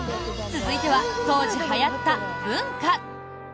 続いては、当時はやった文化。